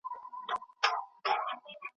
چي مي پېغلوټي د کابل ستایلې